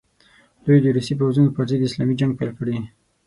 دوی د روسي پوځونو پر ضد اسلامي جنګ پیل کړي.